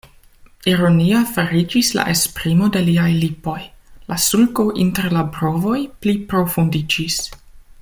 Ironia fariĝis la esprimo de liaj lipoj, la sulko inter la brovoj pli profundiĝis.